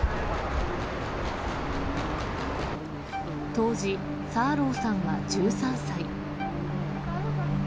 当時、サーローさんは１３歳。